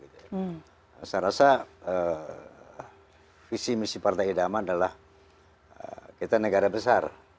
saya rasa visi misi partai idama adalah kita negara besar